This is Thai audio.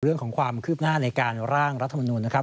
เรื่องของความคืบหน้าในการร่างรัฐมนุนนะครับ